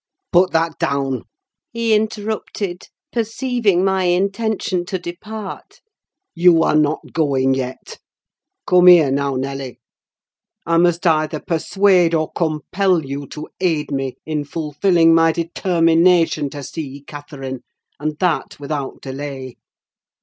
"Put that down!" he interrupted, perceiving my intention to depart. "You are not going yet. Come here now, Nelly: I must either persuade or compel you to aid me in fulfilling my determination to see Catherine, and that without delay.